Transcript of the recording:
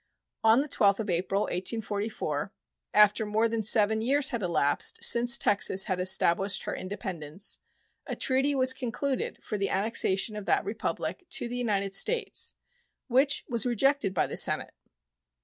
On the 12th of April, 1844, after more than seven years had elapsed since Texas had established her independence, a treaty was concluded for the annexation of that Republic to the United States, which was rejected by the Senate.